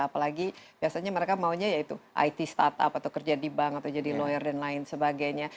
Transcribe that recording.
apalagi biasanya mereka maunya yaitu it startup atau kerja di bank atau jadi lawyer dan lain sebagainya